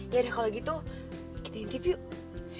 yaudah kalau gitu kita interview